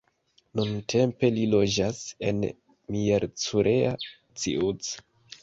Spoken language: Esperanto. Nuntempe li loĝas en Miercurea Ciuc.